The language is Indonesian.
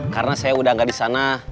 karena saya udah gak di sana